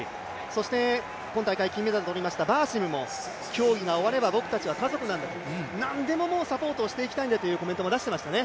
そして、今大会金メダルを取りましたバーシムも競技が終われば、僕たちは家族なんだと、何でもサポートをしていきたいんだというコメントも出していましたね